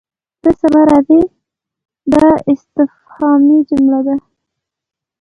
ته سبا راځې؟ دا استفهامي جمله ده.